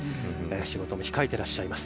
仕事も控えていらっしゃいます。